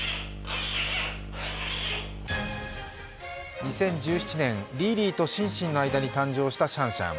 ２０１７年、リーリーとシンシンの間に誕生したシャンシャン。